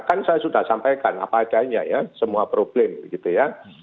kan saya sudah sampaikan apa adanya ya semua problem gitu ya